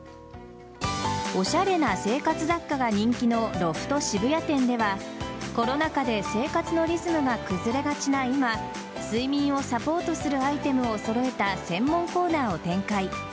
おしゃれな生活雑貨が人気のロフト渋谷店ではコロナ禍で生活のリズムが崩れがちな今睡眠をサポートするアイテムを揃えた専門コーナーを展開。